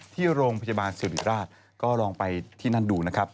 ที่โรงพยาบาลสิริราชก็ลองไปที่นั่นดูนะครับ